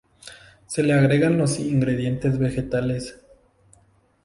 Se le agregan los ingredientes vegetales.